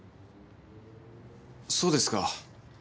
そうですか。